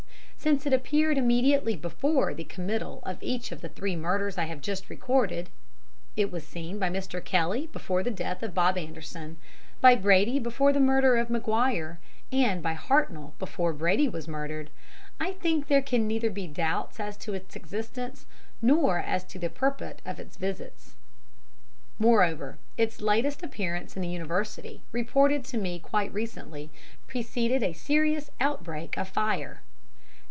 Since it appeared immediately before the committal of each of the three murders I have just recorded (it was seen by Mr. Kelly before the death of Bob Anderson; by Brady, before the murder of Maguire; and by Hartnoll, before Brady was murdered), I think there can neither be doubts as to its existence nor as to the purport of its visits. "Moreover, its latest appearance in the University, reported to me quite recently, preceded a serious outbreak of fire."